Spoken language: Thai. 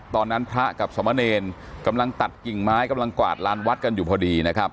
พระกับสมเนรกำลังตัดกิ่งไม้กำลังกวาดลานวัดกันอยู่พอดีนะครับ